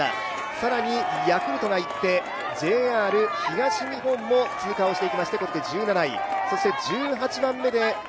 更に、ヤクルトがいってＪＲ東日本も通過していきまして、１７位。